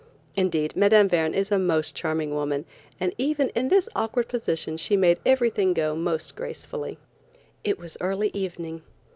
Indeed, Mme. Verne is a most charming woman, and even in this awkward position she made everything go most gracefully. It was early evening.